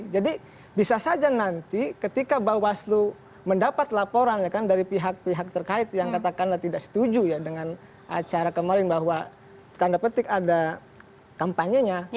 jadi bisa saja nanti ketika bawaslu mendapat laporan ya kan dari pihak pihak terkait yang katakanlah tidak setuju ya dengan acara kemarin bahwa tanda petik ada kampanye nya